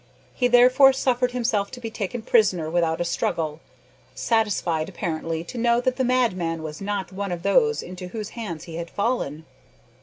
He therefore suffered himself to be taken prisoner without a struggle, satisfied apparently to know that the madman was not one of those into whose hands he had fallen.